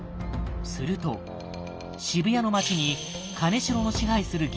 すると渋谷の街に金城の支配する銀行が現れた。